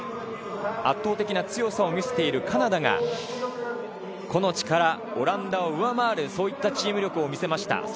圧倒的な強さを見せているカナダが個の力、オランダを上回るチーム力を見せました。